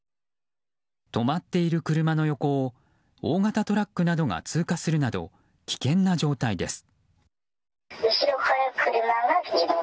止まっている車の横を大型トラックなどが通過するなど危険な状態です。